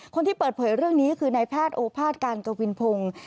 คนที่เปิดเผยเรื่องนี้คือนายแพทย์โอภาษการกวินพงศ์